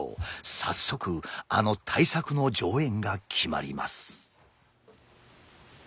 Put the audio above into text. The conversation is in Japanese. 早速あの大作の上演が決まります。